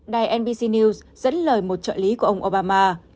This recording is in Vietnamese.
đài nbc news dẫn lời một trợ lý của ông obama